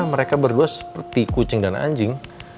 mereka berdua seperti kucing dan anjing